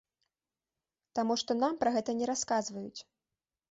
Таму што нам пра гэта не расказваюць.